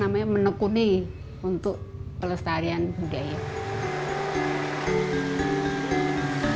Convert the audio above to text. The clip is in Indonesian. menekuni untuk pelestarian budaya